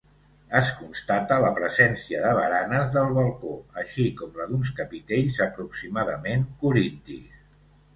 Es constata la presència de baranes del balcó així com la d'uns capitells aproximadament corintis.